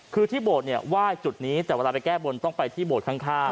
คือที่โบสถ์เนี่ยไหว้จุดนี้แต่เวลาไปแก้บนต้องไปที่โบสถข้าง